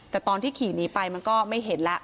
แต่ตอนที่ขี่หนีไปมันก็ไม่เห็นแล้ว